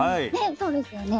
そうですよね。